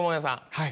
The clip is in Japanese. はい。